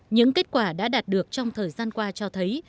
những kết quả đã đạt được trong thời gian qua cho thấy